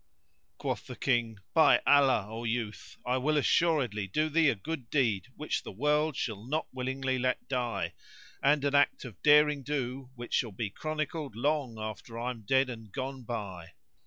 Quoth the King, "By Allah, O youth, I will assuredly do thee a good deed which the world shall not willingly let die, and an act of derring do which shall be chronicled long after I am dead and gone by."